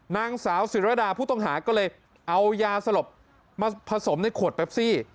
นางสาวศิรดาผู้ต้องหาก็เลยเอายาสลบมาผสมในขวดแปปซี่